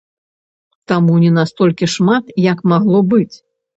Таму не настолькі шмат, як магло быць.